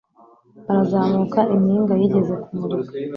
Harazamuka impinga yigeze kumurika